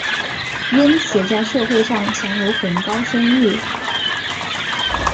因此在社会上享有很高声誉。